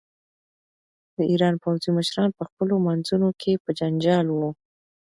د ایران پوځي مشران په خپلو منځونو کې په جنجال وو.